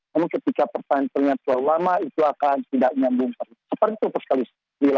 namun ketika pertahanan terlihat terlalu lama itu akan tidak nyambung seperti itu perselis